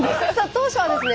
当社はですね